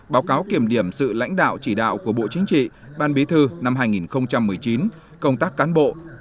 báo cáo kiểm điểm sự lãnh đạo chỉ đạo của bộ chính trị ban bí thư năm hai nghìn một mươi chín công tác cán bộ